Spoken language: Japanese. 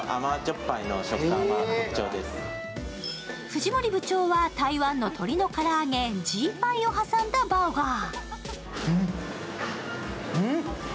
藤森部長は台湾の鶏のから揚げ、ジーパイを挟んだバーガー。